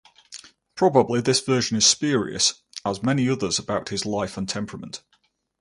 Probably this version is spurious as many others about his life and temperament.